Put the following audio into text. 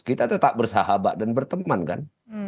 kita tetap bersahabat dan berteman kan